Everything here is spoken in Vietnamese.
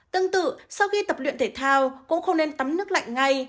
tương tự sau khi tập luyện thể thao cũng không nên tắm nước lạnh ngay